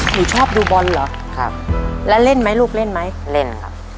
หนูชอบดูบอลเหรอแล้วเล่นมั้ยลูกเล่นครับ